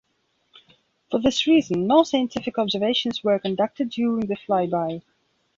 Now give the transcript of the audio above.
For this reason, no scientific observations were conducted during the flyby.